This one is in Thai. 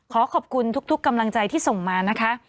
ขอขอบคุณทุกกำลังใจที่ส่งมานะคะ